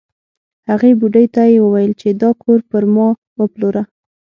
هغې بوډۍ ته یې وویل چې دا کور پر ما وپلوره.